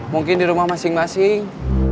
mungkin di rumah masing masing